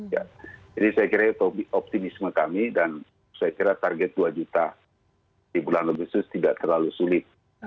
jadi saya kira itu optimisme kami dan saya kira target dua juta di bulan agustus tidak terlalu sulit